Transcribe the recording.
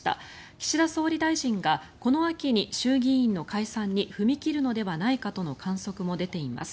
岸田総理大臣がこの秋に衆議院の解散に踏み切るのではないかとの観測も出ています。